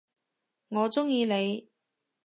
我中意你！